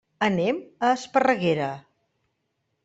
Anem a Esparreguera.